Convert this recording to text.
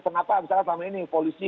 kenapa misalnya selama ini polisi